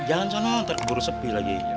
jalan sana nanti buru sepi lagi